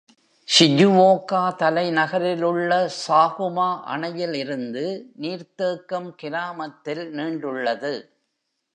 ஷிஜுவோகா தலைநகரில் உள்ள சாகுமா அணையில் இருந்து நீர்த்தேக்கம் கிராமத்தில் நீண்டுள்ளது.